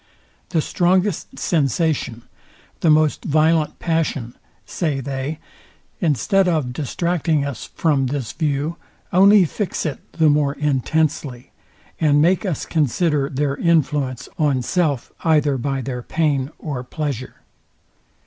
The strongest sensation, the most violent passion, say they, instead of distracting us from this view, only fix it the more intensely, and make us consider their influence on self either by their pain or pleasure.